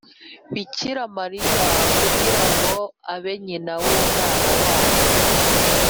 bikira mariya kugira ngo abe nyina w’umwana wayo;